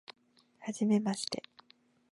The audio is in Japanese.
はじめまして